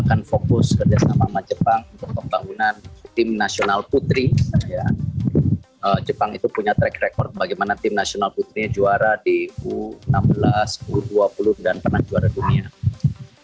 yang rencananya akan menjadi model bagi pembangunan training center pssi di ikn